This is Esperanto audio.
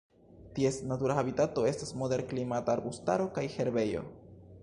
Ties natura habitato estas moderklimata arbustaro kaj herbejo.